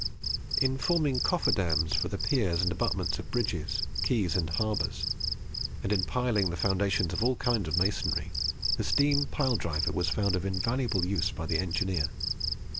In forming coffer dams for the piers and abutments of bridges, quays, and harbours, and in piling the foundations of all kinds of masonry, the steam pile driver was found of invaluable use by the engineer.